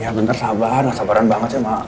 ya bentar sabaran sabaran banget sih emang